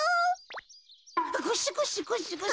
ゴシゴシゴシゴシ。